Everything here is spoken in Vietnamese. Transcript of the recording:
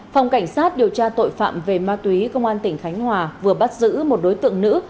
phòng cảnh sát điều tra tội phạm về ma túy công an tỉnh khánh hòa vừa bắt giữ một đối tượng nữ